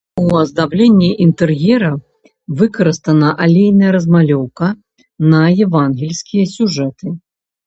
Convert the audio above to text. У аздабленні інтэр'ера выкарыстана алейная размалёўка на евангельскія сюжэты.